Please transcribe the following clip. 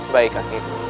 baik kakek gua